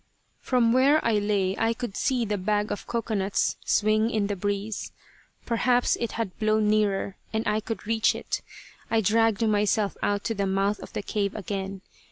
From where I lay I could see the bag of cocoanuts swing in the breeze. Perhaps it had blown nearer and I could reach it. I dragged myself out to the mouth of the cave again.